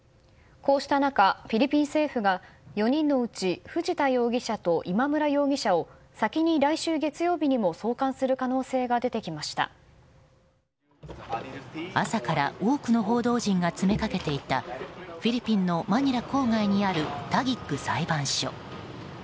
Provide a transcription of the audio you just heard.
こうした中、フィリピン政府が４人のうち藤田容疑者と今村容疑者を先に来週月曜日にも送還する朝から多くの報道陣が詰めかけていたフィリピンのマニラ郊外にあるタギッグ裁判所。